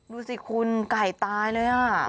ดูสิคุณไก่ตายเลย